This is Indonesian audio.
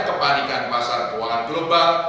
kepanikan pasar keuangan global